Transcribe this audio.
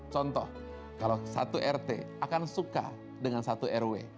contoh kalau satu rt akan suka dengan satu rw